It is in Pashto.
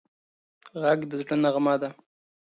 غږ د زړه نغمه ده